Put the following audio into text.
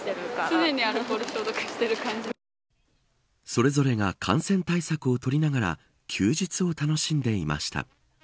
それぞれが感染対策を取りながら休日を楽しんでいました。